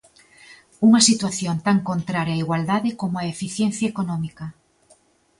Unha situación tan contraria á igualdade como á eficiencia económica.